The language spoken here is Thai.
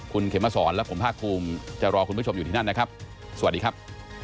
คุณเขมสอนและผมภาคภูมิจะรอคุณผู้ชมอยู่ที่นั่นนะครับสวัสดีครับ